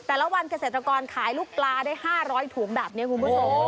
วันเกษตรกรขายลูกปลาได้๕๐๐ถุงแบบนี้คุณผู้ชม